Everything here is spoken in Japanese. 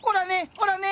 ほらね！